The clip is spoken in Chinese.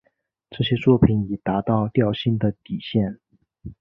这些作品已到达调性的底线。